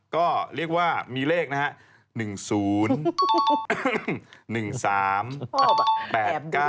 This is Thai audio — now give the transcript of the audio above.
ก็เรียกว่ามีเลขนะฮะ